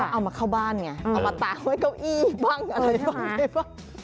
เอามาเข้าบ้านไงเอามาตากไว้เก้าอี้บ้างอะไรบ้าง